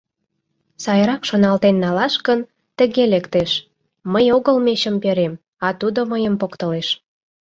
Сайрак шоналтен налаш гын, тыге лектеш: мый огыл мечым перем, а тудо мыйым поктылеш.